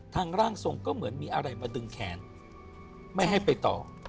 ร่างทรงก็เหมือนมีอะไรมาดึงแขนไม่ให้ไปต่อ